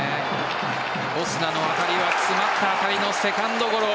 オスナの当たりは詰まった当たりのセカンドゴロ。